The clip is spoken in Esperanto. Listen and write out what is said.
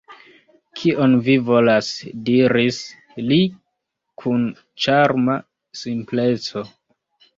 «Kion vi volas? » diris li kun ĉarma simpleco.